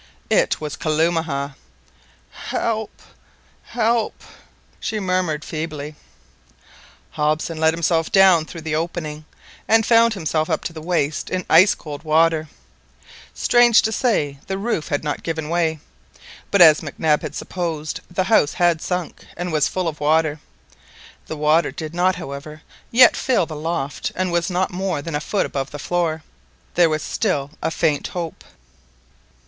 It was Kalumah! "Help! help!" she murmured feebly. Hobson let himself down through the opening, and found himself up to the waist in ice cold water. Strange to say, the roof had not given way, but as Mac Nab had supposed, the house had sunk, and was full of water. The water did not, however, yet fill the loft, and was not more than a foot above the floor. There was still a faint hope!